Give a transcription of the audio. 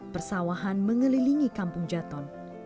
persawahan mengelilingi kampung jaton